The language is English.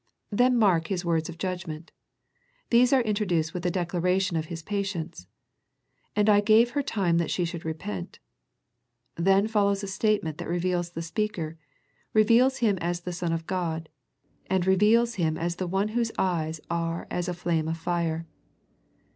Then mark His words of judgment. These are introduced with a declaration of His patience, " And I gave her time that she should repent." Then follows a statement that reveals the Speaker, reveals Him as the Son of God, and reveals Him as the One Whose eyes are as a flame of fire.